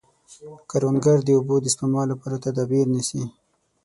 کروندګر د اوبو د سپما لپاره تدابیر نیسي